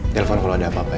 telepon kalau ada apa apa ya